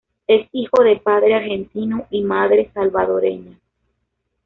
Es hijo de padre argentino y madre salvadoreña.